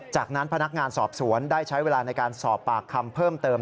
จากนั้นพนักงานสอบสวนได้ใช้เวลาในการสอบปากคำเพิ่มเติม